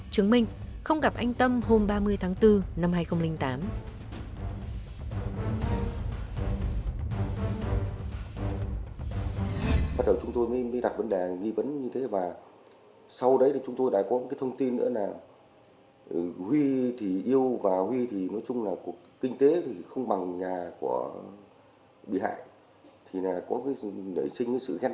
chứng minh không gặp anh tâm hôm ba mươi tháng bốn năm hai nghìn chín